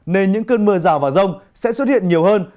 nên những cơn mưa rào và rông sẽ xuất hiện nhiều hơn